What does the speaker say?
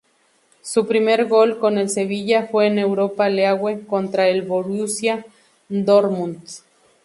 Su primer gol con el Sevilla fue en Europa League contra el Borussia Dortmund.